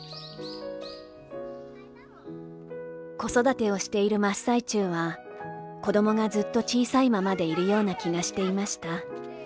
「子育てをしている真っ最中は、子供がずっと小さいままでいるような気がしていました。